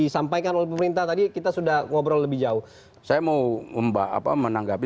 saya mau menanggapi